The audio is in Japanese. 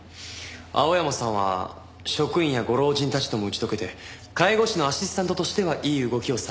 青山さんは職員やご老人たちとも打ち解けて介護士のアシスタントとしてはいい動きをされています。